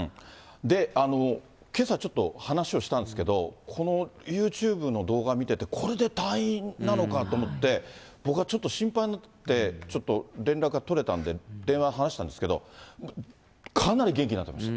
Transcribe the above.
で、けさちょっと話をしたんですけど、このユーチューブの動画見てて、これで退院なのかと思って、僕はちょっと心配になって、ちょっと連絡が取れたんで、電話で話したんですけど、かなり元気になってました。